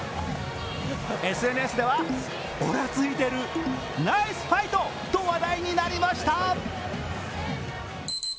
ＳＮＳでは、オラついてる、ナイスファイトと話題になりました。